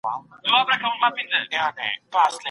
د ميراث په کتابونو کي د زوجينو د برخي تفصيل سته؟